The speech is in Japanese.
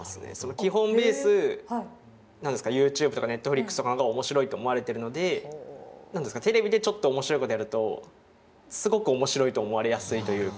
基本ベース何ですかＹｏｕＴｕｂｅとかＮｅｔｆｌｉｘとかのほうが面白いと思われているのでテレビでちょっと面白いことやるとすごく面白いと思われやすいというか。